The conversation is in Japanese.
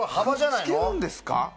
くっつけるんですか？